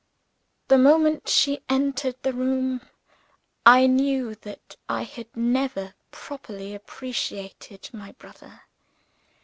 The moment she entered the room, I knew that I had never properly appreciated my brother.